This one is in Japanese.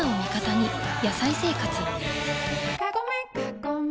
「野菜生活」